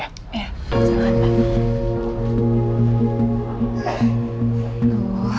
ya selamat pak